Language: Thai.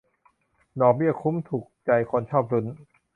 ดอกเบี้ยคุ้ม ถูกใจคนชอบลุ้น